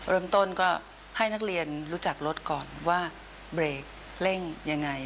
เริ่มต้นก็ให้นักเรียนรู้จักรถก่อนว่าเบรกเร่งยังไง